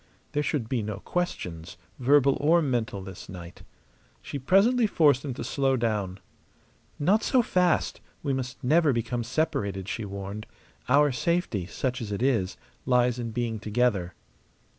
There should be no questions, verbal or mental, this night. She presently forced him to slow down. "Not so fast! We must never become separated," she warned. "Our safety such as it is lies in being together."